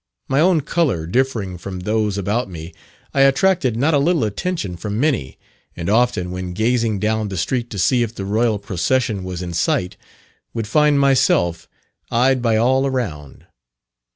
My own colour differing from those about me, I attracted not a little attention from many; and often, when gazing down the street to see if the Royal procession was in sight, would find myself eyed by all around.